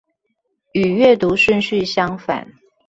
與閱讀順序相反